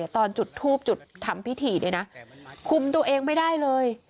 ตอนจุดทูบจุดทำพิธีเนี่ยนะคุมตัวเองไม่ได้เลย